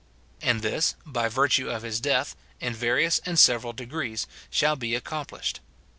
And this, by virtue of his death, in various and several degrees, shall be accomplished.